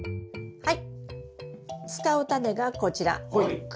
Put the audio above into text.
はい。